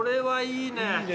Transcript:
いいね。